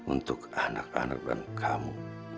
untuk anak anak dan kamu